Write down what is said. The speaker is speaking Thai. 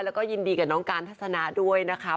แล้วก็ยินดีกับน้องการทัศนะด้วยนะคะ